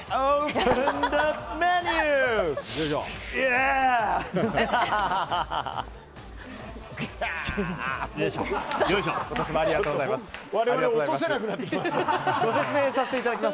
今年もありがとうございます。